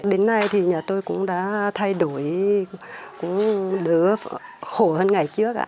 đến nay thì nhà tôi cũng đã thay đổi cũng đỡ khổ hơn ngày trước